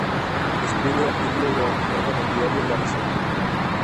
Escribe artículos de opinión en el diario La Nación.